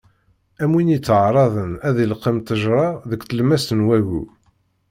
Am win yetteɛraḍen ad ileqqem ttejra deg tlemmast n wagu.